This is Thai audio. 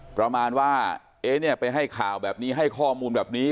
ประมาณว่าเอ๊ะเนี่ยไปให้ข่าวแบบนี้ให้ข้อมูลแบบนี้